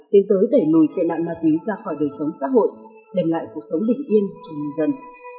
tiến tới đẩy lùi tệ nạn ma túy ra khỏi đời sống xã hội đem lại cuộc sống bình yên cho nhân dân